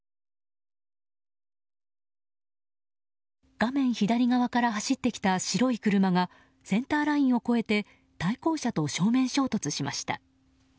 画面左側から走ってきた白い車がセンターラインを越えて対向車と正面衝突しました。